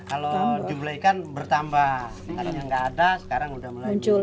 kalau jumlah ikan bertambah karena yang tidak ada sekarang sudah mulai